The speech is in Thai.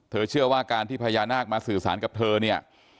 เชื่อว่าการที่พญานาคมาสื่อสารกับเธอเนี่ย